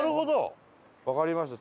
わかりました。